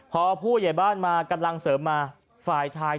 กำลังเสริมมาฝ่ายทาย